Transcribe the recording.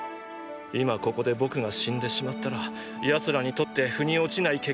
今ここで僕が死んでしまったら奴らにとって腑に落ちない結果となる。